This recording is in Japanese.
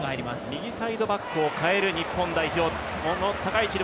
右サイドバックを代える日本代表。